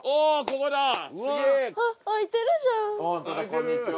こんにちは。